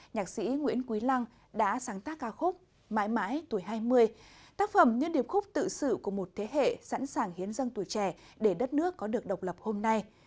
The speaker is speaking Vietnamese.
nhạc sĩ nguyễn quý lăng đã sáng tác ca khúc mãi mãi tuổi hai mươi tác phẩm như điệp khúc tự sự của một thế hệ sẵn sàng hiến dâng tuổi trẻ để đất nước có được độc lập hôm nay